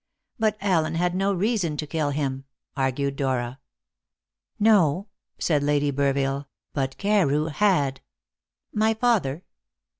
"But Allen had no reason to kill him," argued Dora. "No," said Lady Burville, "but Carew had." "My father?"